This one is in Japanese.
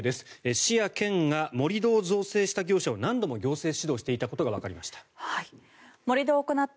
市や県が盛り土を造成した業者を何度も行政指導していたことがわかりました。